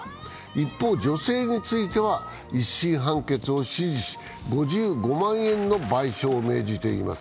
一方、女性については一審判決を支持し５５万円の賠償を命じています。